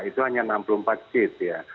itu hanya enam puluh empat kit ya